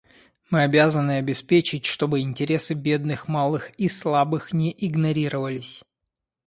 Мы обязаны обеспечить, чтобы интересы бедных, малых и слабых не игнорировались.